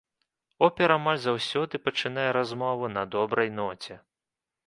Опер амаль заўсёды пачынае размову на добрай ноце.